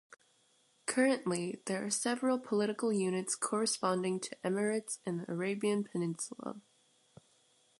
Currently, there are several political units corresponding to emirates in the Arabian Peninsula.